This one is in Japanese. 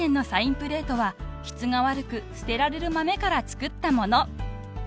プレートは質が悪く捨てられる豆から作ったもの］